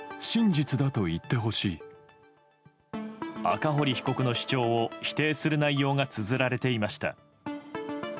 赤堀被告の主張を否定する内容がつづられていました。